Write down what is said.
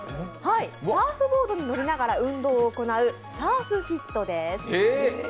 サーフボードに乗りながら運動を行うサーフフィットです。